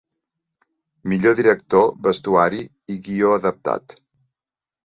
Millor director, vestuari i guió adaptat.